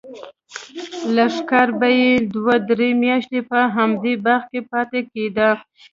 لښکر به یې دوه درې میاشتې په همدې باغ کې پاتې کېده.